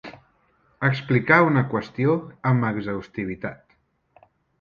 Explicar una qüestió amb exhaustivitat.